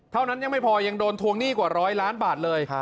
เท่านั้นยังไม่พอยังโดนทวงหนี้กว่าร้อยล้านบาทเลย